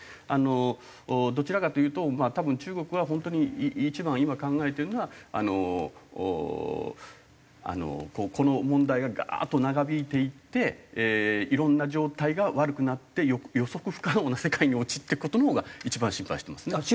あのどちらかというとまあ多分中国は本当に一番今考えているのはあのこの問題がガーッと長引いていっていろんな状態が悪くなって予測不可能な世界に陥っていく事のほうが一番心配してますね。